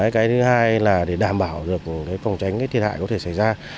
cái thứ hai là để đảm bảo được phòng tránh thiệt hại có thể xảy ra